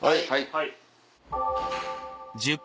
はい。